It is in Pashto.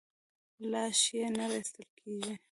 لاش یې نه راایستل کېږي.